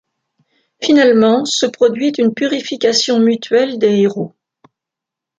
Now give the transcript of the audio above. Finalement se produit une purification mutuelle des héros.